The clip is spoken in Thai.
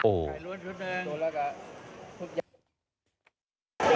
ต้องพ่ายล้วนทุกเดิม